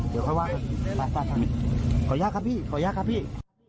เดี๋ยวค่อยว่ากันขออนุญาตครับพี่ขออนุญาตครับพี่